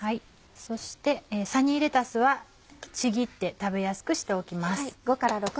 そしてサニーレタスはちぎって食べやすくしておきます。